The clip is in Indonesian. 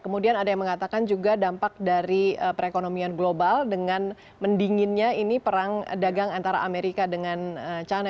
kemudian ada yang mengatakan juga dampak dari perekonomian global dengan mendinginnya ini perang dagang antara amerika dengan china